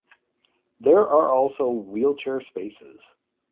There are also wheelchair spaces.